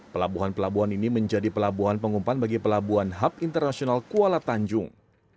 pelabuhan pelabuhan ini menjadi pelabuhan pengumpan bagi pelabuhan hub internasional kuala tanjung